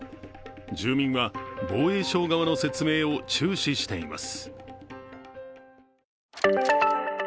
住民は防衛省側の説明を注視しています。